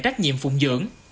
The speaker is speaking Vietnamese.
trách nhiệm phụng dưỡng